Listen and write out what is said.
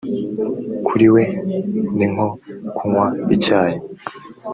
kuri we ni nko kunywa icyayi